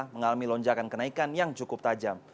mengalami lonjakan kenaikan yang cukup tajam